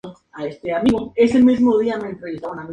No guardo secreto sobre sus convicciones calvinistas.